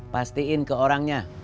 pastiin ke orangnya